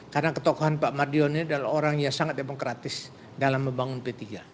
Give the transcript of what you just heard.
karena ketokohan pak mardion ini adalah orang yang sangat demokratis dalam membangun p tiga